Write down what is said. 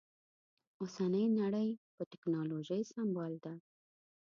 اوسنۍ نړۍ په ټکنالوژي سمبال ده